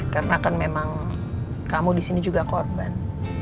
karena kan memang kamu disini juga korban